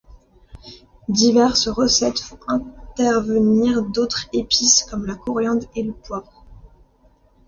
Diverses recettes font intervenir d'autres épices, comme la coriandre et le poivre.